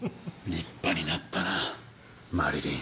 立派になったなマリリン。